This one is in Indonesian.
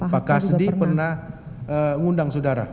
pak kasdi pernah undang saudara